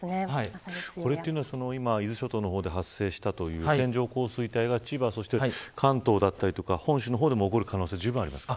今、伊豆諸島の方で発生したという線状降水帯が、千葉、関東の辺りとか本州の方でも起こる可能性はじゅうぶんありますか。